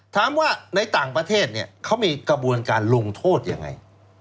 ถามว่าในต่างประเทศเนี่ยเขามีกระบวนการลงโทษยังไง